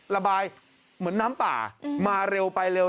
ระบายเหมือนน้ำป่ามาเร็วไปเร็ว